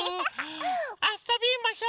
あそびましょ！